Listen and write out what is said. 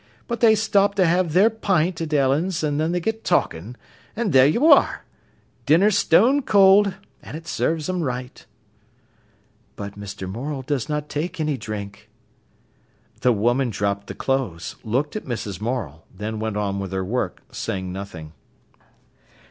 But they stop to have their pint at Ellen's, an' they get talkin', an' there you are! Dinner stone cold—an' it serves 'em right." "But Mr. Morel does not take any drink." The woman dropped the clothes, looked at Mrs. Morel, then went on with her work, saying nothing.